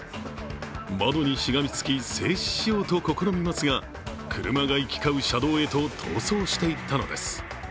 窓にしがみつき、制止しようと試みますが車が行き交う車道へと逃走していったのです。